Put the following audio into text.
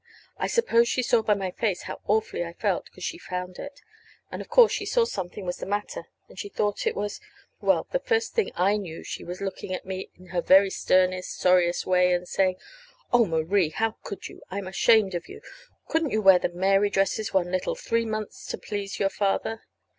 I suppose she saw by my face how awfully I felt 'cause she'd found it. And, of course, she saw something was the matter; and she thought it was Well, the first thing I knew she was looking at me in her very sternest, sorriest way, and saying: "Oh, Marie, how could you? I'm ashamed of you! Couldn't you wear the Mary dresses one little three months to please your father?"